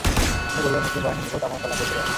তিনি বললেন, মুসলিম বাহিনীর নিকট আমার সালাম পৌঁছে দাও।